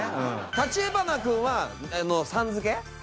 立花君はさん付け？